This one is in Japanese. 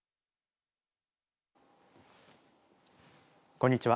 こんにちは。